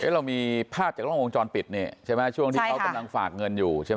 เรามีภาพจากล้ององค์จรปิดเนี่ยช่วงที่เขากำลังฝากเงินอยู่